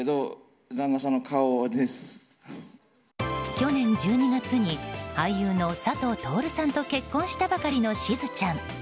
去年１２月に俳優の佐藤達さんと結婚したばかりの、しずちゃん。